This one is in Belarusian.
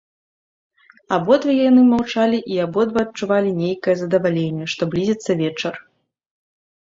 Абодва яны маўчалі і абодва адчувалі нейкае задаваленне, што блізіцца вечар.